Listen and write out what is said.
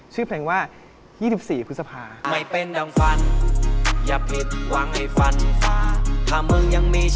ชื่อเพลงว่า๒๔พฤษภา